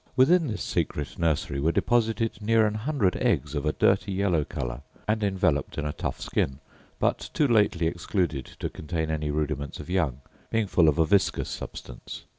Within this secret nursery were deposited near an hundred eggs of a dirty yellow colour, and enveloped in a tough skin, but too lately excluded to contain any rudiments of young, being full of a viscous substance.